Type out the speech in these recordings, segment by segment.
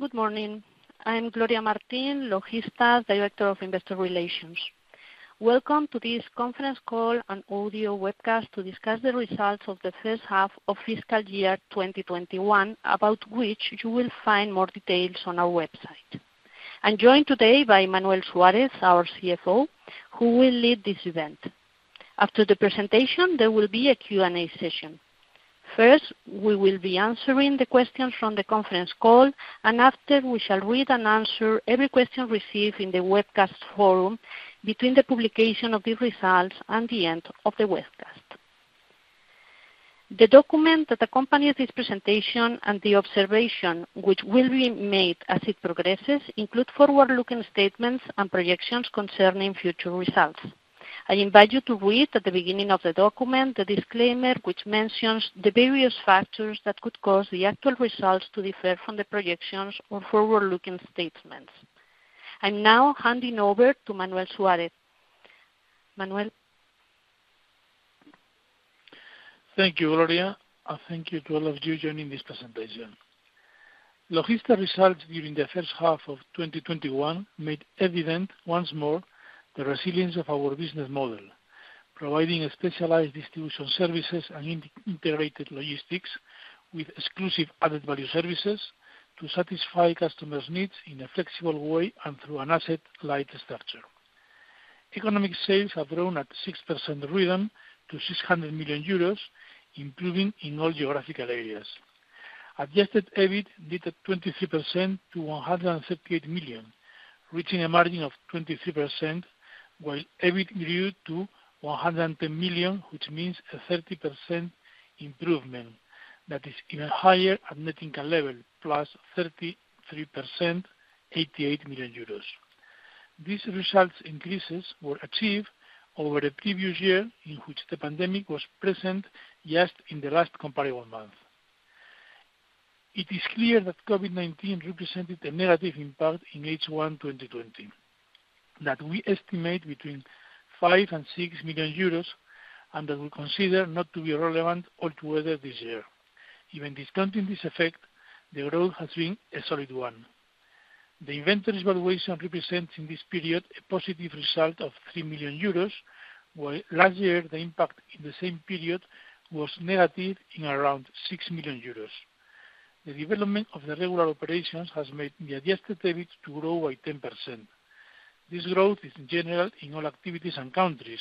Good morning. I'm Gloria Martín, Logista Director of Investor Relations. Welcome to this conference call and audio webcast to discuss the results of the first half of fiscal year 2021, about which you will find more details on our website. I'm joined today by Manuel Suárez, our CFO, who will lead this event. After the presentation, there will be a Q&A session. First, we will be answering the questions from the conference call, and after, we shall read and answer every question received in the webcast forum between the publication of the results and the end of the webcast. The document that accompanies this presentation and the observation, which will be made as it progresses, include forward-looking statements and projections concerning future results. I invite you to read at the beginning of the document the disclaimer, which mentions the various factors that could cause the actual results to differ from the projections or forward-looking statements. I'm now handing over to Manuel Suárez. Manuel? Thank you, Gloria, thank you to all of you joining this presentation. Logista results during the first half of 2021 made evident once more the resilience of our business model, providing specialized distribution services and integrated logistics with exclusive added-value services to satisfy customers' needs in a flexible way and through an asset-light structure. Economic sales have grown at 6% rhythm to 600 million euros, improving in all geographical areas. Adjusted EBIT did at 23% to 138 million, reaching a margin of 23%, while EBIT grew to 110 million, which means a 30% improvement that is even higher at net income level, +33%, 88 million euros. These results increases were achieved over the previous year, in which the pandemic was present just in the last comparable month. It is clear that COVID-19 represented a negative impact in H1 2020 that we estimate between 5 million and 6 million euros, and that we consider not to be relevant altogether this year. Even discounting this effect, the growth has been a solid one. The inventory valuation represents, in this period, a positive result of 3 million euros, while last year the impact in the same period was negative in around 6 million euros. The development of the regular operations has made the Adjusted EBIT to grow by 10%. This growth is general in all activities and countries,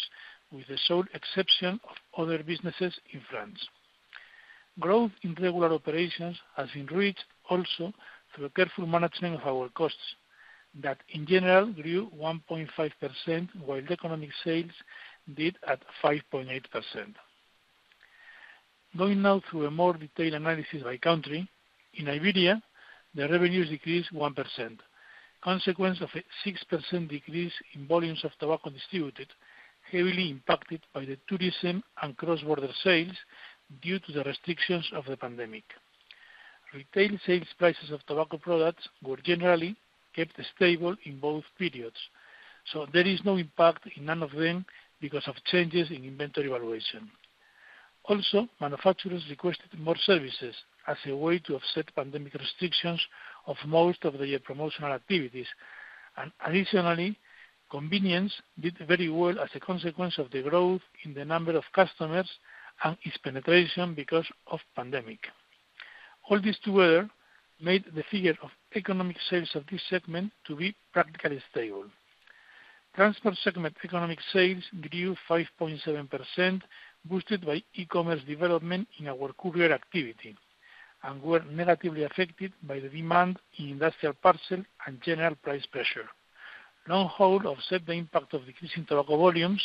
with the sole exception of other businesses in France. Growth in regular operations has been reached also through careful management of our costs that, in general, grew 1.5%, while economic sales did at 5.8%. Going now through a more detailed analysis by country. In Iberia, the revenues decreased 1%, consequence of a 6% decrease in volumes of tobacco distributed, heavily impacted by the tourism and cross-border sales due to the restrictions of the pandemic. Retail sales prices of tobacco products were generally kept stable in both periods, so there is no impact in any of them because of changes in inventory valuation. Also, manufacturers requested more services as a way to offset pandemic restrictions of most of their promotional activities. Additionally, convenience did very well as a consequence of the growth in the number of customers and its penetration because of pandemic. All this together made the figure of economic sales of this segment to be practically stable. Transport segment economic sales grew 5.7%, boosted by e-commerce development in our courier activity and were negatively affected by the demand in industrial parcel and general price pressure. Long haul offset the impact of decreasing tobacco volumes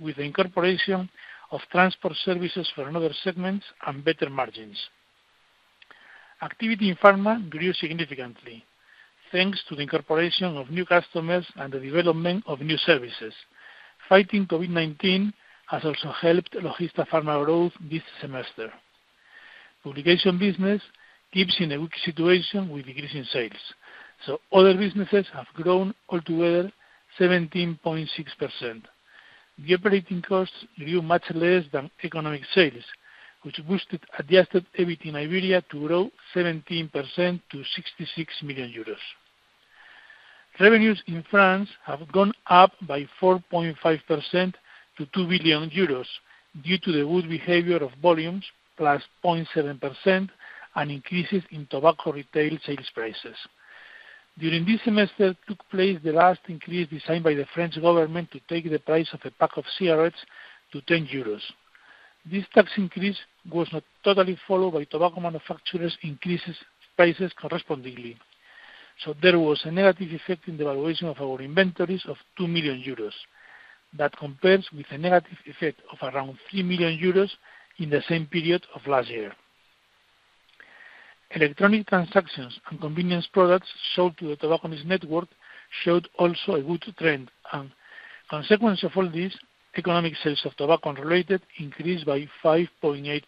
with the incorporation of transport services for another segment and better margins. Activity in pharma grew significantly, thanks to the incorporation of new customers and the development of new services. Fighting COVID-19 has also helped Logista Pharma growth this semester. Publication business keeps in a weak situation with decreasing sales, so other businesses have grown altogether 17.6%. The operating costs grew much less than economic sales, which boosted Adjusted EBIT in Iberia to grow 17% to 66 million euros. Revenues in France have gone up by 4.5% to 2 billion euros due to the good behavior of volumes, +0.7%, and increases in tobacco retail sales prices. During this semester took place the last increase designed by the French government to take the price of a pack of cigarettes to 10 euros. This tax increase was not totally followed by tobacco manufacturers increases prices correspondingly. There was a negative effect in the valuation of our inventories of 2 million euros. That compares with a negative effect of around 3 million euros in the same period of last year. Electronic transactions and convenience products sold to the tobacconist network showed also a good trend and, consequence of all this, economic sales of tobacco related increased by 5.8%.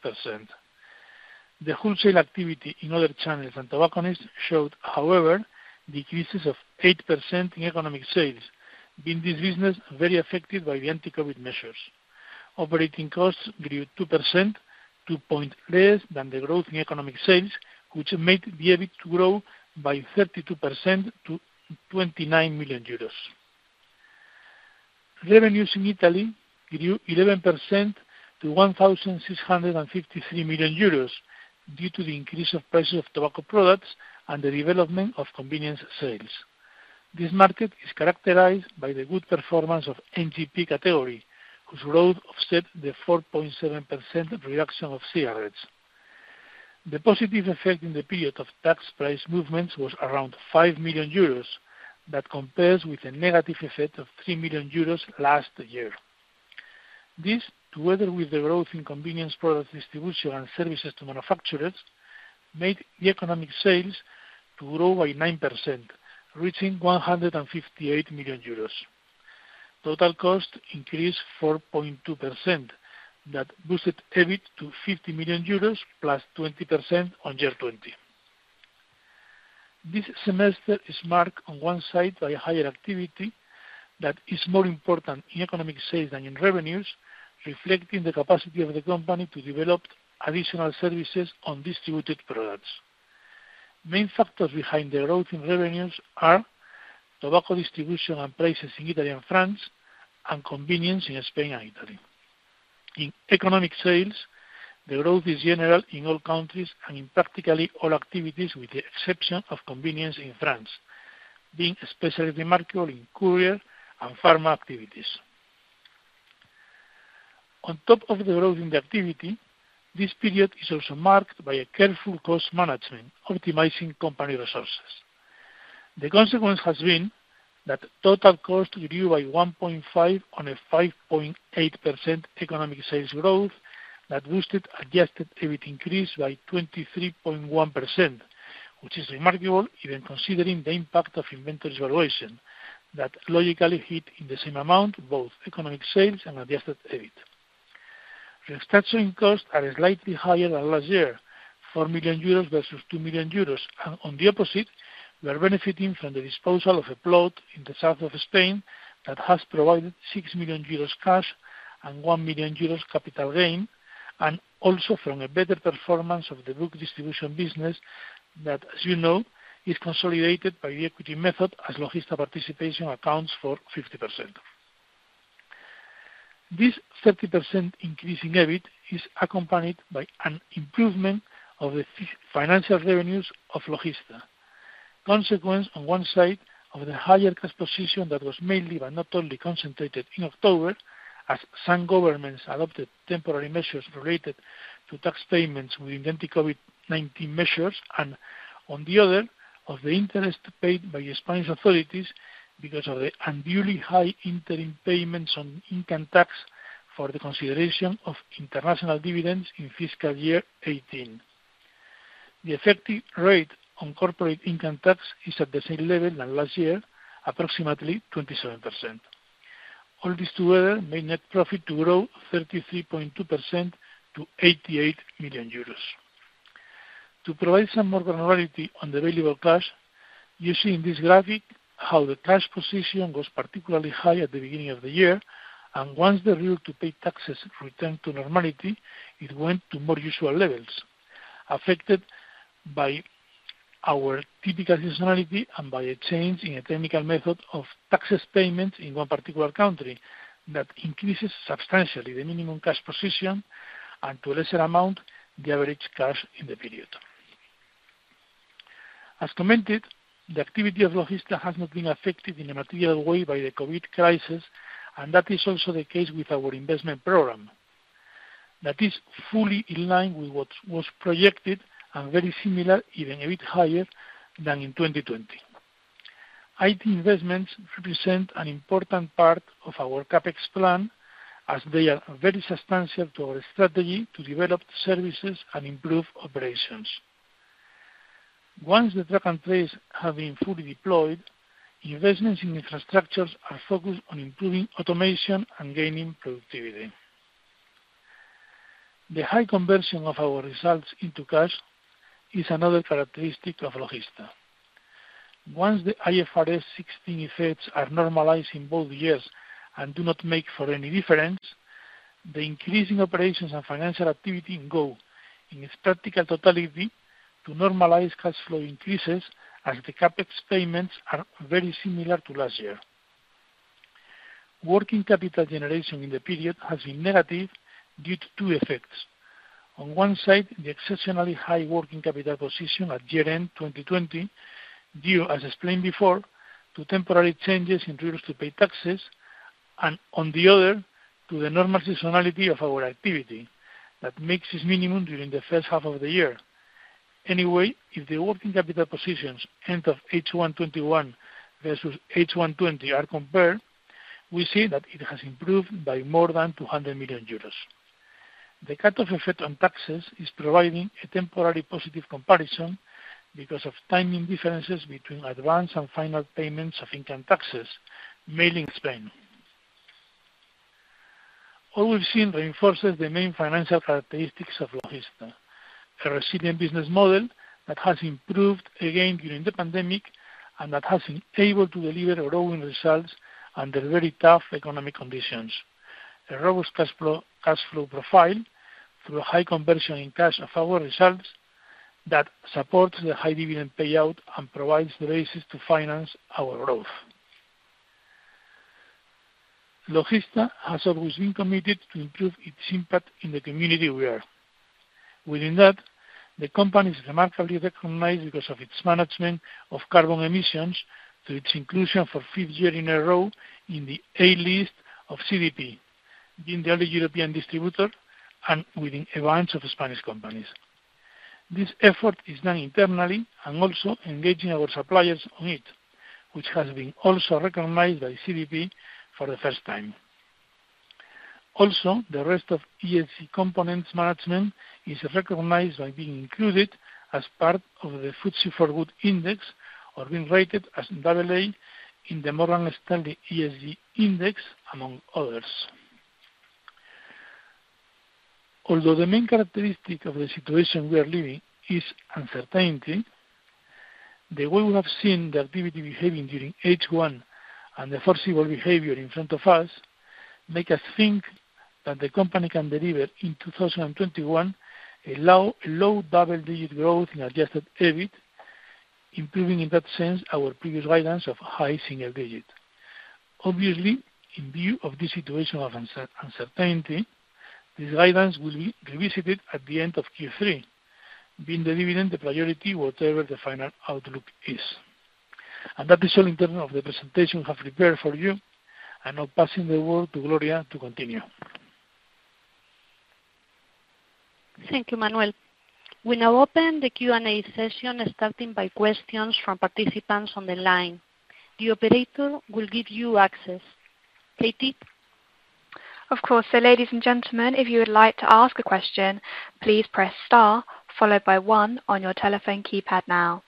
The wholesale activity in other channels and tobacconists showed, however, decreases of 8% in economic sales, being this business very affected by the anti-COVID measures. Operating costs grew 2%, two points less than the growth in economic sales, which made the EBIT grow by 32% to 29 million euros. Revenues in Italy grew 11% to 1,653 million euros due to the increase of prices of tobacco products and the development of convenience sales. This market is characterized by the good performance of NGP category, whose growth offset the 4.7% reduction of cigarettes. The positive effect in the period of tax price movements was around 5 million euros. That compares with a negative effect of 3 million euros last year. This, together with the growth in convenience product distribution and services to manufacturers, made the economic sales to grow by 9%, reaching 158 million euros. Total cost increased 4.2%. That boosted EBIT to 50 million euros, plus 20% on year 2020. This semester is marked on one side by higher activity that is more important in economic sales than in revenues, reflecting the capacity of the company to develop additional services on distributed products. Main factors behind the growth in revenues are tobacco distribution and prices in Italy and France and convenience in Spain and Italy. In economic sales, the growth is general in all countries and in practically all activities, with the exception of convenience in France, being especially remarkable in courier and pharma activities. On top of the growth in the activity, this period is also marked by a careful cost management, optimizing company resources. The consequence has been that total cost grew by 1.5% on a 5.8% economic sales growth that boosted Adjusted EBIT increase by 23.1%, which is remarkable even considering the impact of inventory valuation that logically hit in the same amount, both economic sales and Adjusted EBIT. Restructuring costs are slightly higher than last year, 4 million euros versus 2 million euros. On the opposite, we are benefiting from the disposal of a plot in the south of Spain that has provided 6 million euros cash and 1 million euros capital gain, and also from a better performance of the book distribution business that, as you know, is consolidated by the equity method as Logista participation accounts for 50%. This 30% increase in EBIT is accompanied by an improvement of the financial revenues of Logista. Consequence, on one side, of the higher cash position that was mainly, but not only, concentrated in October as some governments adopted temporary measures related to tax payments within the COVID-19 measures and, on the other, of the interest paid by Spanish authorities because of the unduly high interim payments on income tax for the consideration of international dividends in fiscal year 2018. The effective rate on corporate income tax is at the same level than last year, approximately 27%. All this together made net profit to grow 33.2% to 88 million euros. To provide some more granularity on the available cash, you see in this graphic how the cash position was particularly high at the beginning of the year. Once the bill to pay taxes returned to normality, it went to more usual levels, affected by our typical seasonality and by a change in a technical method of taxes payment in one particular country that increases substantially the minimum cash position and, to a lesser amount, the average cash in the period. As commented, the activity of Logista has not been affected in a material way by the COVID crisis. That is also the case with our investment program. That is fully in line with what was projected and very similar, even a bit higher, than in 2020. IT investments represent an important part of our CapEx plan, as they are very substantial to our strategy to develop services and improve operations. Once the track and trace have been fully deployed, investments in infrastructures are focused on improving automation and gaining productivity. The high conversion of our results into cash is another characteristic of Logista. Once the IFRS 16 effects are normalized in both years and do not make for any difference, the increase in operations and financial activity go, in its practical totality, to normalize cash flow increases as the CapEx payments are very similar to last year. Working capital generation in the period has been negative due to two effects. On one side, the exceptionally high working capital position at year-end 2020 due, as explained before, to temporary changes in rules to pay taxes and, on the other, to the normal seasonality of our activity that makes this minimum during the first half of the year. Anyway, if the working capital positions end of H1 2021 versus H1 2020 are compared, we see that it has improved by more than 200 million euros. The cut-off effect on taxes is providing a temporarily positive comparison because of timing differences between advance and final payments of income taxes, mainly in Spain. All we've seen reinforces the main financial characteristics of Logista. A resilient business model that has improved again during the pandemic, and that has been able to deliver growing results under very tough economic conditions. A robust cash flow profile through a high conversion in cash of our results that supports the high dividend payout and provides the basis to finance our growth. Logista has always been committed to improve its impact in the community we are. Within that, the company is remarkably recognized because of its management of carbon emissions through its inclusion for fifth year in a row in the A list of CDP, being the only European distributor and within a bunch of Spanish companies. This effort is done internally and also engaging our suppliers on it, which has been also recognized by CDP for the first time. The rest of ESG components management is recognized by being included as part of the FTSE4Good index, or being rated as AA in the Morgan Stanley ESG index, among others. Although the main characteristic of the situation we are living is uncertainty, the way we have seen the activity behaving during H1 and the foreseeable behavior in front of us make us think that the company can deliver in 2021 a low double-digit growth in Adjusted EBIT, improving in that sense our previous guidance of high single digit. Obviously, in view of this situation of uncertainty, this guidance will be revisited at the end of Q3, being the dividend the priority whatever the final outlook is. That is all in terms of the presentation I have prepared for you. Now passing the word to Gloria to continue. Thank you, Manuel. We now open the Q&A session, starting by questions from participants on the line. The operator will give you access. Katie? Of course, ladies and gentlemen, if you would like to ask a question, please press star followed by one on your telephone keypad now.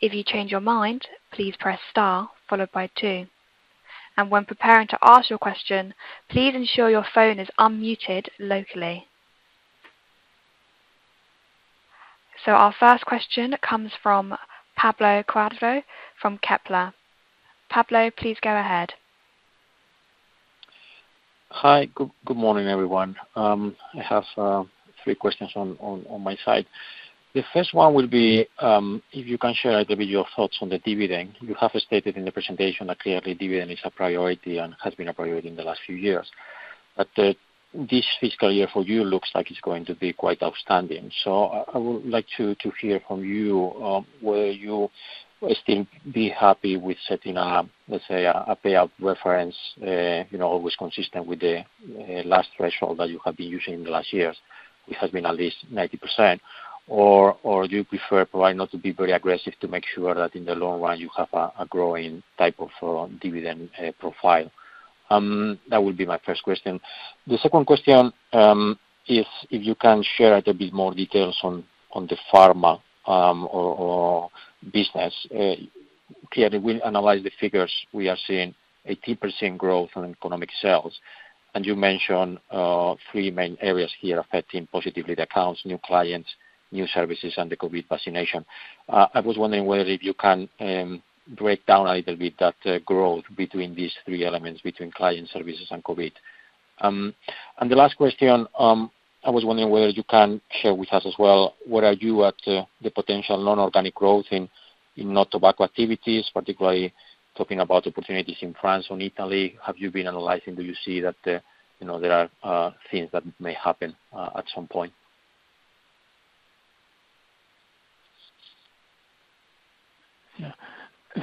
If you change your mind, please press star followed by two. When preparing to ask your question, please ensure your phone is unmuted locally. Our first question comes from Pablo Cuadra from Kepler. Pablo, please go ahead. Hi. Good morning, everyone. I have three questions on my side. The first one will be, if you can share a little bit your thoughts on the dividend. You have stated in the presentation that clearly dividend is a priority and has been a priority in the last few years. This fiscal year for you looks like it's going to be quite outstanding. So I would like to hear from you, will you still be happy with setting up, let's say, a payout reference, always consistent with the last threshold that you have been using in the last years, which has been at least 90%? Or you prefer probably not to be very aggressive to make sure that in the long run you have a growing type of dividend profile? That would be my first question. The second question, if you can share a little bit more details on the pharma business? Clearly, we analyze the figures, we are seeing 18% growth on economic sales. You mentioned three main areas here affecting positively the accounts, new clients, new services, and the COVID vaccination. I was wondering whether if you can break down a little bit that growth between these three elements, between client services and COVID? The last question, I was wondering whether you can share with us as well, where are you at the potential non-organic growth in not tobacco activities, particularly talking about opportunities in France or Italy? Have you been analyzing, do you see that there are things that may happen at some point?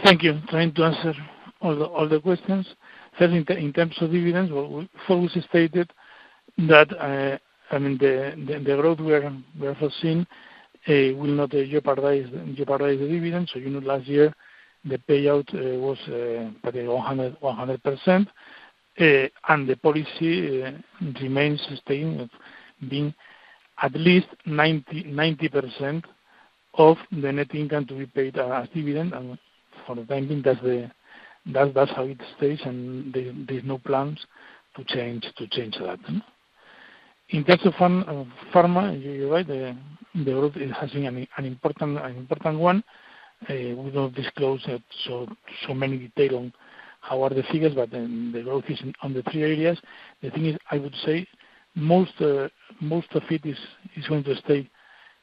Thank you. Trying to answer all the questions. First, in terms of dividends, as stated that the growth we are foreseeing will not jeopardize the dividends. You know last year, the payout was probably 100%. The policy remains sustained of being at least 90% of the net income to be paid as dividend. For the time being, that's how it stays, and there's no plans to change that. In terms of pharma, you're right, the growth has been an important one. We don't disclose so many detail on how are the figures, the growth is on the three areas. The thing is, I would say most of it is going to stay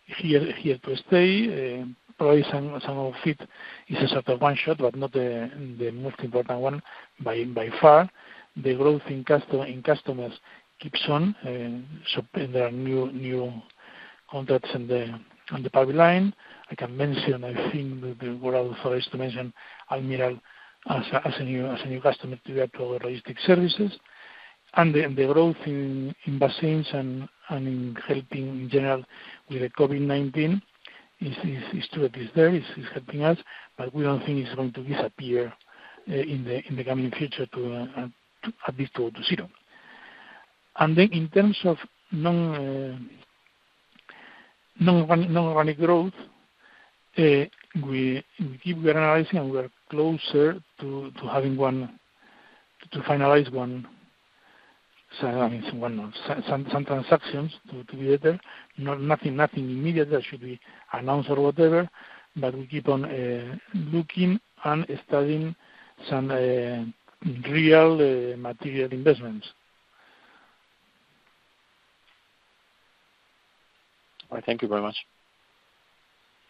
here to stay. Probably some of it is a one-shot, but not the most important one by far. The growth in customers keeps on. There are new contracts on the pipeline. I can mention, I think we were authorized to mention Almirall as a new customer to get our logistic services. The growth in vaccines and in helping in general with the COVID-19 is true that is there, is helping us, but we don't think it's going to disappear in the coming future at least to go to zero. In terms of non-organic growth, we keep analyzing and we're closer to finalize some transactions to be there. Nothing immediate that should be announced or whatever, we keep on looking and studying some real material investments. All right. Thank you very much.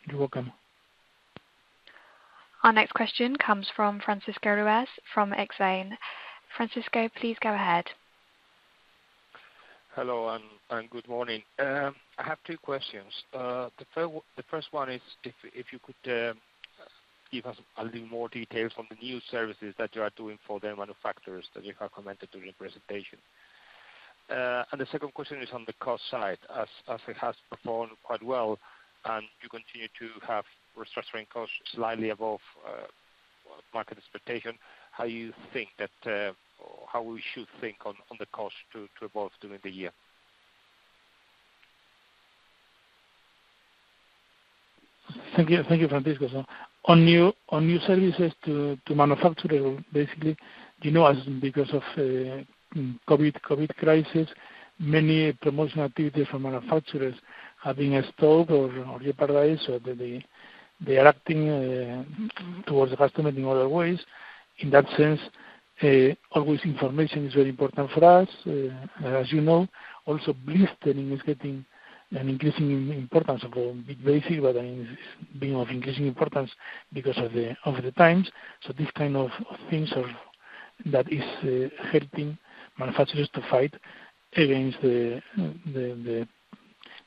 You're welcome. Our next question comes from Francisco Ruiz from Exane. Francisco, please go ahead. Hello and good morning. I have two questions. The first one is if you could give us a little more details on the new services that you are doing for the manufacturers that you have commented during the presentation. The second question is on the cost side, as it has performed quite well and you continue to have restructuring costs slightly above market expectation, how we should think on the cost to evolve during the year? Thank you, Francisco. On new services to manufacturer, basically, you know as because of COVID crisis, many promotional activities from manufacturers have been stalled or jeopardized, or they are acting towards the customer in other ways. In that sense, always information is very important for us. As you know, also blistering, be very clear, but I mean is being of increasing importance because of the times. This kind of things that is helping manufacturers to fight against the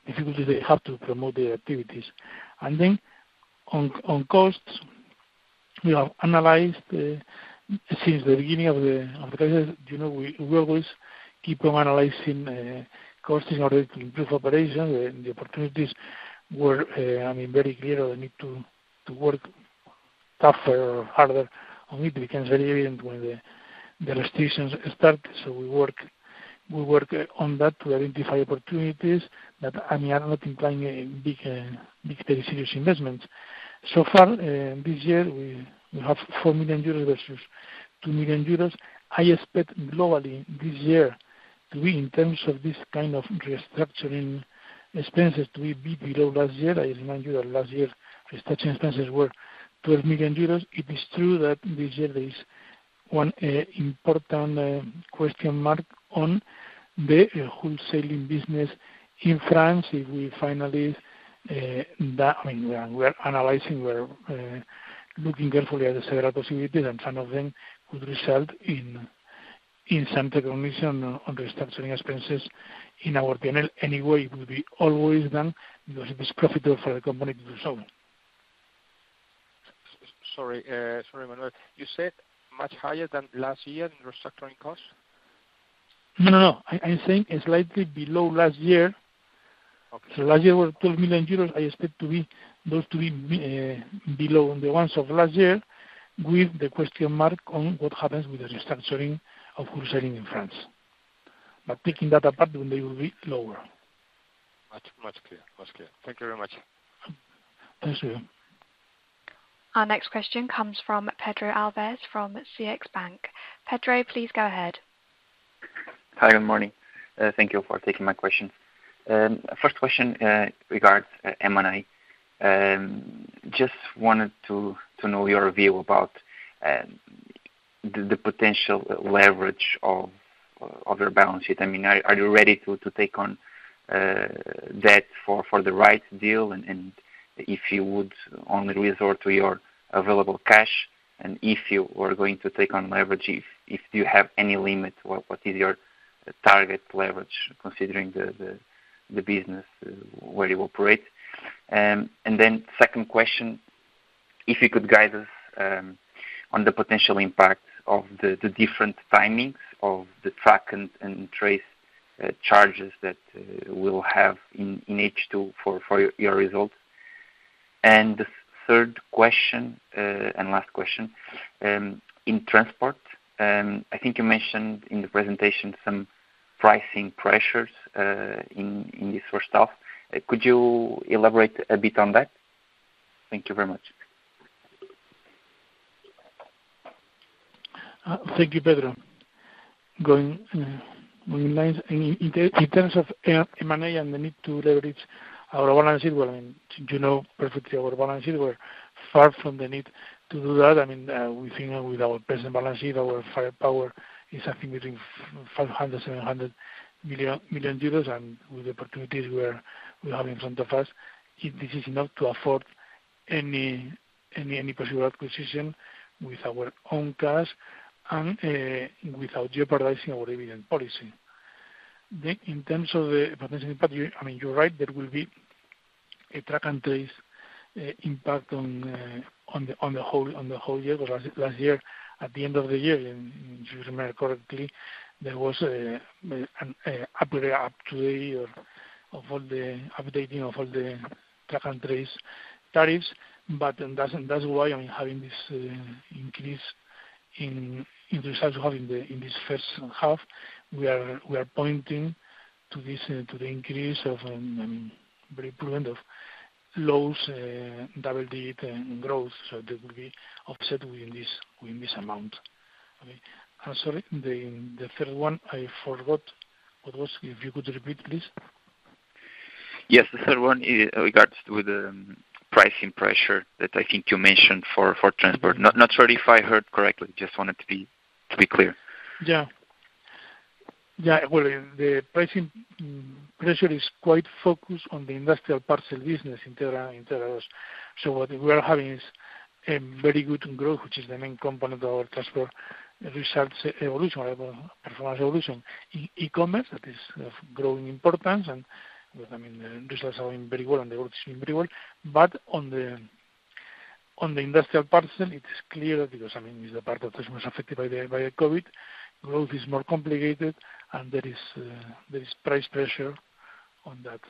difficulty they have to promote their activities. On costs, we have analyzed since the beginning of the crisis, we always keep on analyzing costs in order to improve operations and the opportunities were very clear, the need to work tougher or harder on it becomes very evident when the restrictions start. We work on that to identify opportunities that are not implying a very serious investments. So far, this year we have 4 million euros versus 2 million euros. I expect globally this year to be, in terms of this kind of restructuring expenses to be below last year. I remind you that last year restructuring expenses were 12 million euros. It is true that this year there is one important question mark on the wholesaling business in France. We're analyzing, we're looking carefully at the several possibilities, and some of them could result in some recognition on restructuring expenses in our P&L. Anyway, it will be always done because it is profitable for the company to do so. Sorry, Manuel. You said much higher than last year in restructuring costs? No, I'm saying slightly below last year. Okay. Last year were 12 million euros. I expect those to be below the ones of last year with the question mark on what happens with the restructuring of wholesaling in France. Taking that apart, they will be lower. Much clear. Thank you very much. Thanks to you. Our next question comes from Pedro Alves from CaixaBank. Pedro, please go ahead. Hi, good morning. Thank you for taking my question. First question regards M&A. Just wanted to know your view about the potential leverage of your balance sheet. Are you ready to take on debt for the right deal, if you would only resort to your available cash, if you were going to take on leverage, if you have any limit or what is your target leverage considering the business where you operate? Then second question, if you could guide us on the potential impact of the different timings of the track and trace charges that we'll have in H2 for your results. The third question, last question, in transport, I think you mentioned in the presentation some pricing pressures in this first half. Could you elaborate a bit on that? Thank you very much. Thank you, Pedro. Going in lines, in terms of M&A and the need to leverage our balance sheet, well, you know perfectly our balance sheet, we're far from the need to do that. We think with our present balance sheet, our firepower is something between 500 million-700 million euros, and with the opportunities we have in front of us, this is enough to afford any possible acquisition with our own cash and without jeopardizing our dividend policy. In terms of the potential impact, you're right, there will be a track and trace impact on the whole year. Last year, at the end of the year, if you remember correctly, there was an upgrade up-to-date of all the updating of all the track and trace tariffs. That's why, having this increase in results we have in this first half, we are pointing to the increase of very prudent low double-digit growth, that will be offset within this amount. I'm sorry, the third one I forgot what was. If you could repeat, please. Yes. The third one regards to the pricing pressure that I think you mentioned for transport. Not sure if I heard correctly, just wanted to be clear. Yeah. Well, the pricing pressure is quite focused on the industrial parcel business in terms of us. What we are having is a very good growth, which is the main component of our transport results evolution, performance evolution. E-commerce, that is of growing importance, and the results are going very well and the growth is very well. On the industrial parcel, it is clear because it's the part that was most affected by the COVID-19. Growth is more complicated, and there is price pressure on that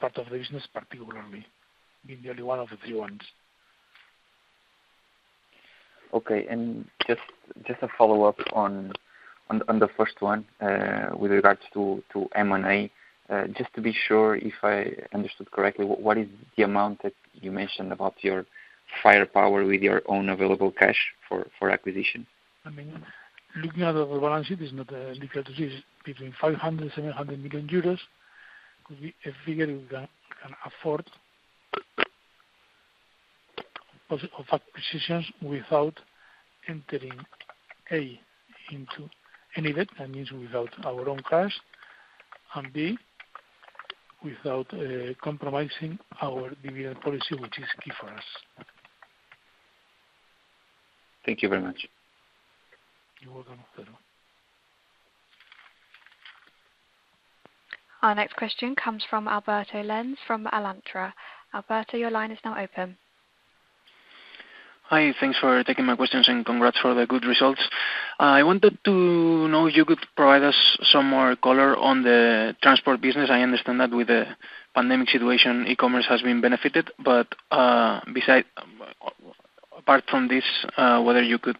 part of the business, particularly, being the only one of the three ones. Okay. Just a follow-up on the first one, with regards to M&A. Just to be sure, if I understood correctly, what is the amount that you mentioned about your firepower with your own available cash for acquisition? Looking at our balance sheet is not difficult to see. It's between 500 million euros, 700 million euros could be a figure we can afford of acquisitions without entering, A, into any debt. That means without our own cash. B, without compromising our dividend policy, which is key for us. Thank you very much. You're welcome. Our next question comes from Alberto Lenz from Alantra. Alberto, your line is now open. Hi, thanks for taking my questions and congrats for the good results. I wanted to know if you could provide us some more color on the transport business. I understand that with the pandemic situation, e-commerce has been benefited. Apart from this, whether you could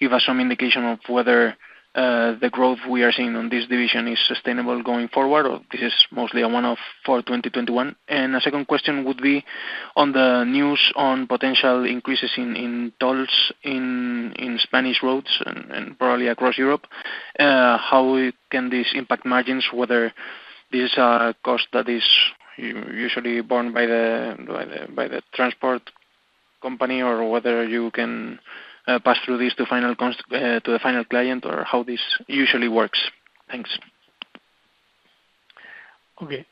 give us some indication of whether the growth we are seeing on this division is sustainable going forward, or this is mostly a one-off for 2021? A second question would be on the news on potential increases in tolls in Spanish roads and probably across Europe, how can this impact margins? Whether this cost that is usually borne by the transport company, or whether you can pass through this to the final client, or how this usually works? Thanks. Okay.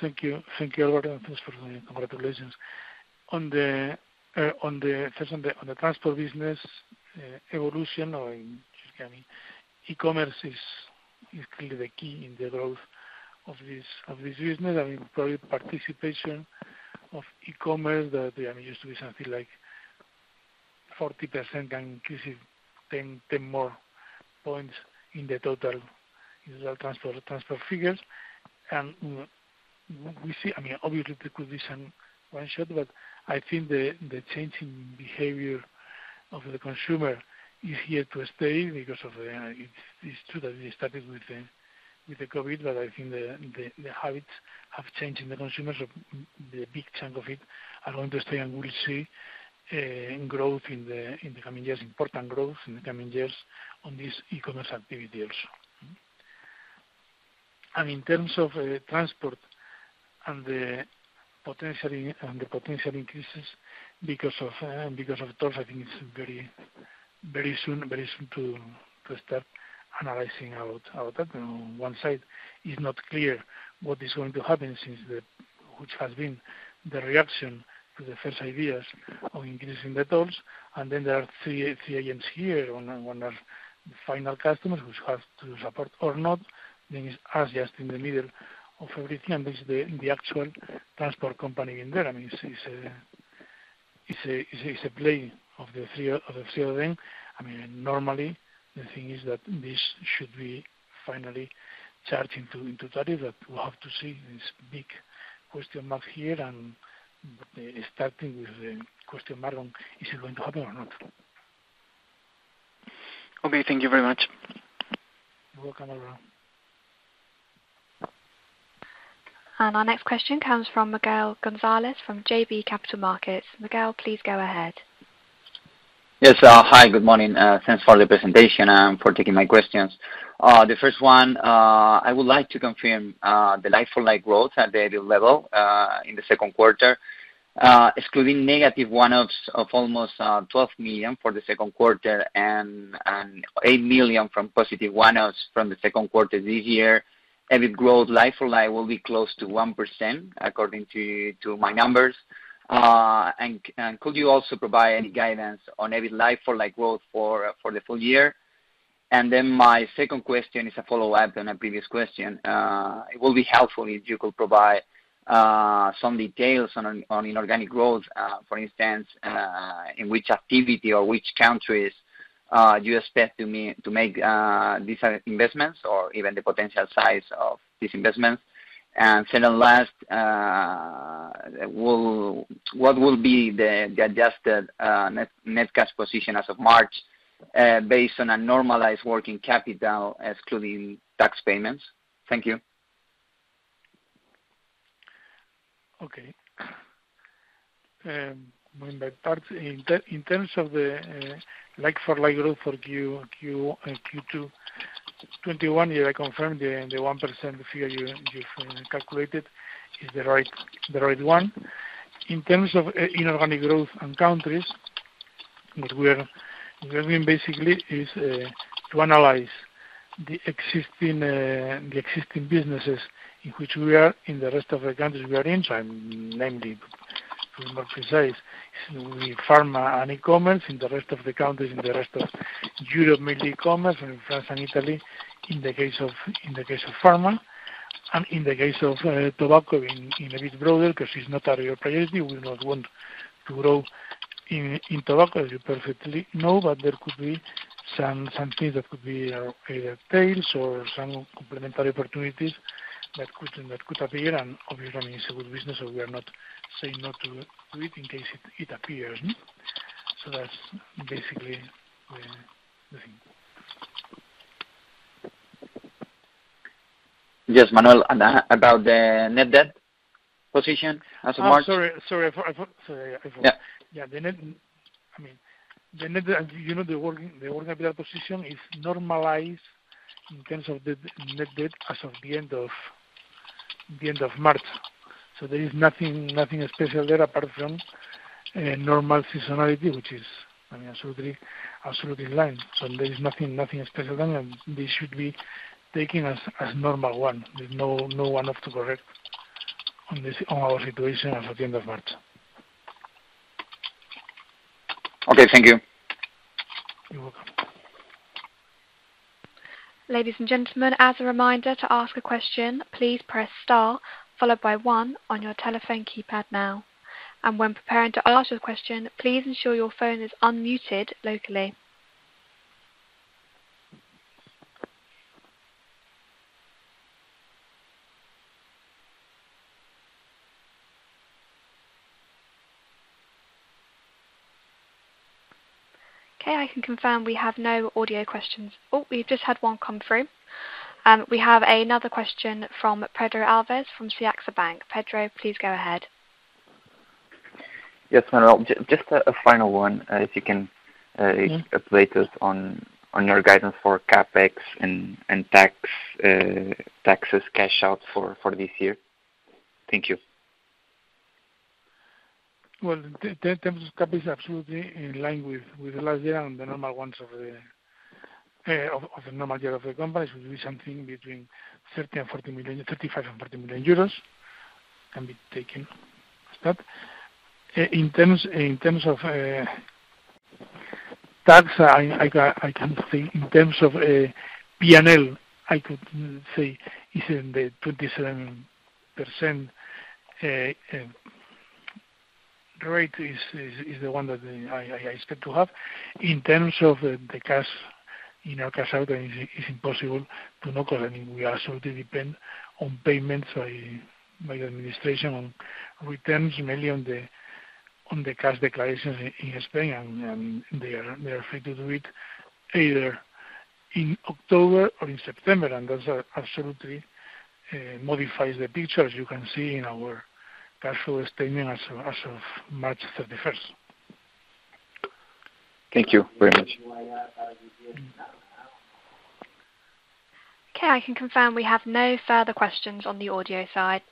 Thank you, Alberto. Thanks for the congratulations. On the transport business evolution or e-commerce is clearly the key in the growth of this business. Probably participation of e-commerce that used to be something like 40% increasing 10 more points in the total transport figures. We see, obviously there could be some one-shot, but I think the change in behavior of the consumer is here to stay because of, it's true that it started with the COVID, but I think the habits have changed in the consumers of the big chunk of it are going to stay, and we'll see growth in the coming years, important growth in the coming years on this e-commerce activity also. In terms of transport and the potential increases because of tolls, I think it's very soon to start analyzing out that. On one side, it's not clear what is going to happen since that which has been the reaction to the first ideas of increasing the tolls. There are three agents here. One are the final customers who have to support or not, then it's us just in the middle of everything, and there's the actual transport company in there. It's a play of the three of them. Normally the thing is that this should be finally charged into that, but we'll have to see this big question mark here and starting with the question mark on, is it going to happen or not? Okay. Thank you very much. You're welcome. Our next question comes from Miguel Gonzalez from JB Capital Markets. Miguel, please go ahead. Yes. Hi, good morning. Thanks for the presentation and for taking my questions. The first one, I would like to confirm the like-for-like growth at the EBIT level, in the second quarter. Excluding negative one-offs of almost 12 million for the second quarter and 8 million from positive one-offs from the second quarter this year, EBIT growth like-for-like will be close to 1% according to my numbers. Could you also provide any guidance on EBIT like-for-like growth for the full year? My second question is a follow-up on a previous question. It will be helpful if you could provide some details on inorganic growth. For instance, in which activity or which countries do you expect to make these investments or even the potential size of these investments? Second last, what will be the adjusted net cash position as of March based on a normalized working capital excluding tax payments? Thank you. In terms of the like-for-like growth for Q2 2021, yes, I confirm the 1% figure you've calculated is the right one. In terms of inorganic growth and countries, what we're doing basically is to analyze the existing businesses in which we are in the rest of the countries we are in. I'm namely, to be more precise, pharma and e-commerce in the rest of the countries, in the rest of Europe, mainly e-commerce in France and Italy, in the case of pharma. In the case of tobacco, in a bit broader, because it's not our priority, we not want to grow in tobacco, as you perfectly know. There could be some things that could be tails or some complementary opportunities that could appear and obviously, if it's a good business, we are not saying not to do it in case it appears. That's basically the thing. Yes, Manuel, about the net debt position as of March. Oh, sorry. I forgot. Yeah. The working capital position is normalized in terms of the net debt as of the end of March. There is nothing special there apart from normal seasonality, which is absolutely in line. There is nothing special there, and this should be taken as normal one. There's no one have to correct on our situation as of the end of March. Okay, thank you. You're welcome. Ladies and gentlemen, as a reminder to ask a question, please press star followed by one on your telephone keypad now. When preparing to ask your question, please ensure your phone is unmuted locally. Okay, I can confirm we have no audio questions. Oh, we've just had one come through. We have another question from Pedro Alves from CaixaBank. Pedro, please go ahead. Yes, Manuel. Just a final one, if you can, please, on your guidance for CapEx and taxes cash out for this year. Thank you. Well, in terms of CapEx, absolutely in line with last year and the normal ones of the company, it will be something between 35 million and 40 million, can be taken as that. In terms of tax, I can say in terms of P&L, I could say it's in the 27% rate is the one that I expect to have. In terms of the cash out, is impossible to know, because we absolutely depend on payments by the administration on returns, mainly on the cash declarations in Spain, and they are free to do it either in October or in September, and that absolutely modifies the picture, as you can see in our cash flow statement as of March 31st. Thank you very much. Okay, I can confirm we have no further questions on the audio side.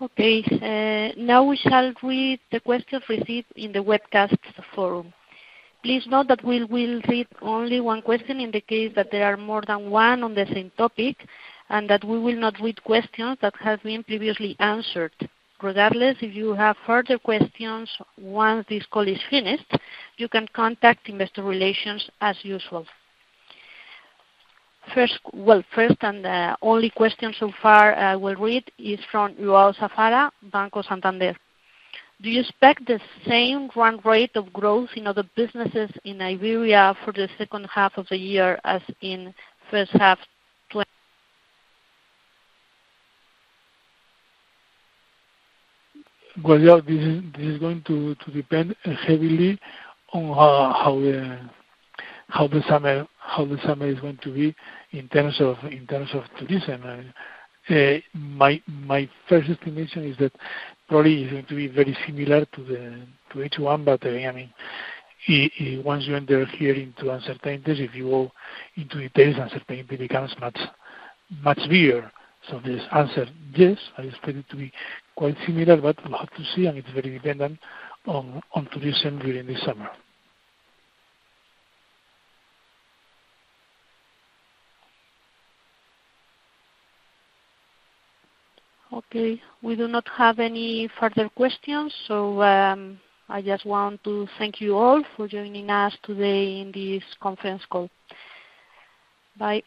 Okay, now we shall read the questions received in the webcast forum. Please note that we will read only one question in the case that there are more than one on the same topic, and that we will not read questions that have been previously answered. Regardless, if you have further questions once this call is finished, you can contact investor relations as usual. First and only question so far I will read is from João Safara, Banco Santander. Do you expect the same run rate of growth in other businesses in Iberia for the second half of the year as in first half 2021? Gloria, this is going to depend heavily on how the summer is going to be in terms of tourism. My first estimation is that probably is going to be very similar to H1, but once you enter here into uncertainties, if you go into details, uncertainty becomes much bigger. This answer, yes, I expect it to be quite similar, but we'll have to see, and it's very dependent on tourism during this summer. Okay. We do not have any further questions, I just want to thank you all for joining us today in this conference call. Bye.